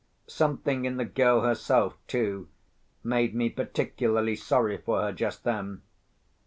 Something in the girl herself, too, made me particularly sorry for her just then.